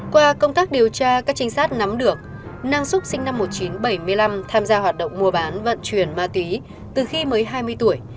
qua công tác điều tra các trinh sát nắm được năng xúc sinh năm một nghìn chín trăm bảy mươi năm tham gia hoạt động mua bán vận chuyển ma túy từ khi mới hai mươi tuổi